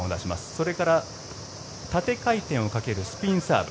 それから縦回転をかけるスピンサーブ。